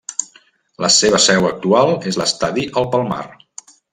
La seva seu actual és l'Estadi El Palmar.